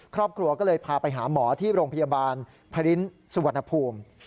ครอบครัวก็เลยพาไปหาหมอที่โรงพยาบาลพระรินสุวรรณภูมิ